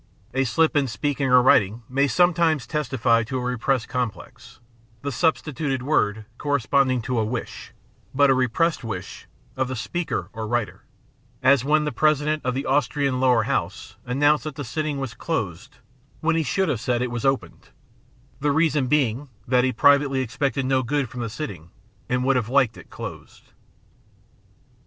A slip in speaking or writing may sometimes testify to a repressed com plex; the substituted word corresponding to a wish, but a re pressed wish, of the speaker or writer, as when the President of the Austrian Lower House announced that the sitting was closed when he should have said it was opened, the reason being that he privately expected no good from the sitting and would have liked it closed.